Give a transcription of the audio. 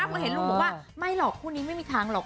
พอเห็นลุงบอกว่าไม่หรอกคู่นี้ไม่มีทางหรอก